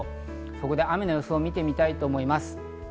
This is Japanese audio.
ここで雨の予想を見たいと思います。